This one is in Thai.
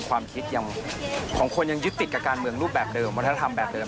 ความคิดยังของคนยังยึดติดกับการเมืองรูปแบบเดิมวัฒนธรรมแบบเดิม